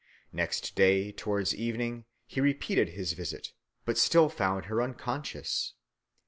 Next day, towards evening, he repeated his visit, but still found her unconscious.